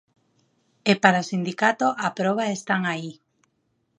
E para o sindicato "a proba están aí".